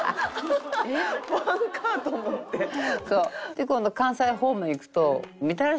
で今度関西方面に行くと。